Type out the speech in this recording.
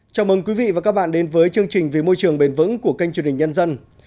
chào mừng quý vị và các bạn đến với chương trình vì môi trường bền vững của kênh truyền hình nhân dân